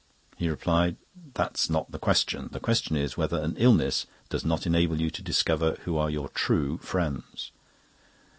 He replied: "That's not the question. The question is whether an illness does not enable you to discover who are your true friends."